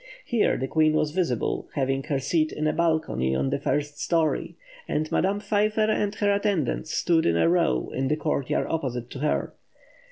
Here the Queen was visible, having her seat in a balcony on the first story, and Madame Pfeiffer and her attendants stood in a row in the courtyard opposite to her.